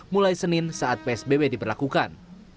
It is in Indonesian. mulai senin saat psbb diberlakukan